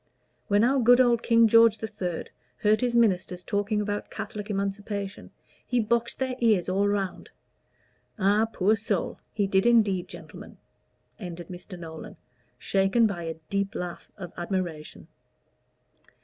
When our good old King George III. heard his ministers talking about Catholic Emancipation, he boxed their ears all round. Ah, poor soul! he did indeed, gentlemen," ended Mr. Nolan, shaken by a deep laugh of admiration.